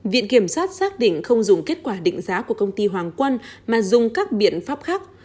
viện kiểm sát xác định không dùng kết quả định giá của công ty hoàng quân mà dùng các biện pháp khác